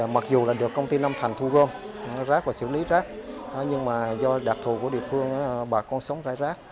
mặc dù là được công ty nam thành thu gom rác và xử lý rác nhưng mà do đặc thù của địa phương bà con sống rải rác